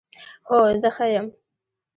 هو، زه ښه یم